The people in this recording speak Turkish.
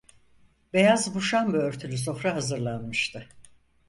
Beyaz muşamba örtülü sofra hazırlanmıştı.